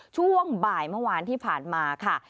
ช่วงบ่ายเมื่อวานที่ผ่านมาค่ะ